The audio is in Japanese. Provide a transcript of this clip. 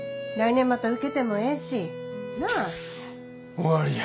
終わりや。